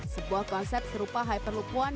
sebuah konsep serupa hyperloop one